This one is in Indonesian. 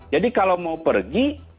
jadi kalau mau pergi